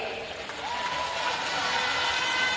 ถ้าผลการเลือกตั้งกรุงเทพออกมายังไง